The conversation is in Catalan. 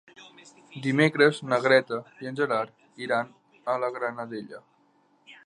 Dimecres na Greta i en Gerard iran a la Granadella.